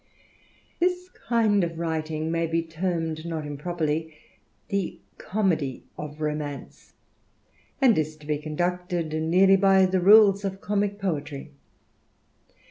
This kind of writing may be termed not improperly the comedy of romance, and is to be conducted nearly by the rules of comick poetry.